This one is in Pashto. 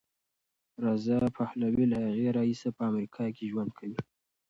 رضا پهلوي له هغې راهیسې په امریکا کې ژوند کوي.